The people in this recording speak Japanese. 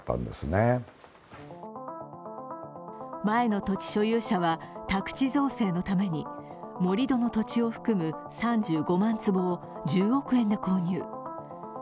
前の土地所有者は、宅地造成のために盛り土の土地を含む３５万坪を１０億円で購入。